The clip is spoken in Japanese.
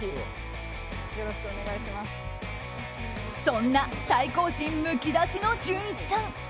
そんな対抗心むき出しのじゅんいちさん。